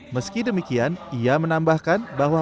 meski demikian ia menambahkan bahwa